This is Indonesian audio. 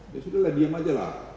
ya sudah lah diem aja lah